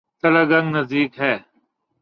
تلہ گنگ نزدیک ہے۔